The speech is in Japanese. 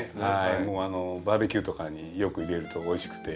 もうバーベキューとかによく入れるとおいしくて。